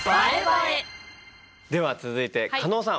では続いて加納さん！